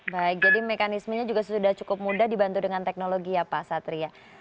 baik jadi mekanismenya juga sudah cukup mudah dibantu dengan teknologi ya pak satria